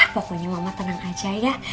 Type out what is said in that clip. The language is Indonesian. pokoknya mama tenang aja ya